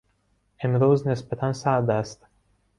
امروز نسبتا سرد است.